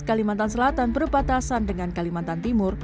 kalimantan selatan berbatasan dengan kalimantan timur